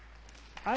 はい。